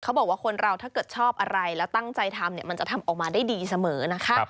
บอกว่าคนเราถ้าเกิดชอบอะไรแล้วตั้งใจทำมันจะทำออกมาได้ดีเสมอนะคะ